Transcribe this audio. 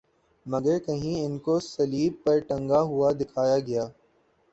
مگر کہیں انکو صلیب پر ٹنگا ہوا دکھایا گیا